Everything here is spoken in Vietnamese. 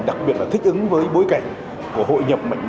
đặc biệt là thích ứng với bối cảnh của hội nhập mạnh mẽ